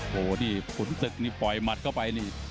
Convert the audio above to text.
โหที่ฝุ่นศึกปล่อยมัดเข้าไปนี่นี่